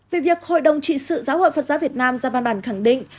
về việc hội đồng trị sự giáo hội phật giáo việt nam ra văn bản khẳng định